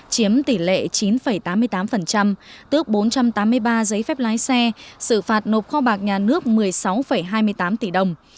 chiếm tỷ lệ chín tám mươi tám tước bốn trăm tám mươi ba giấy phép lái xe xử phạt nộp kho bạc nhà nước một mươi sáu hai mươi tám tỷ đồng